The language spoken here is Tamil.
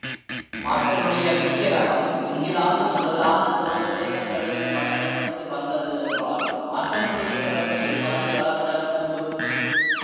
மார்க்கனுடைய விக்கிரகம் இங்கிலாந்து முதலான தூர தேசங்களிலும் வணங்கப்பட்டு வந்தது என்றால் மார்க்கனுடைய சிறப்பை எவ்வாறு அளவிடக்கூடும்?